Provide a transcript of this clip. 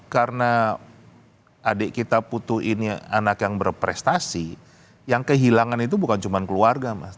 karena adik kita putu ini anak yang berprestasi yang kehilangan itu bukan cuma keluarga mas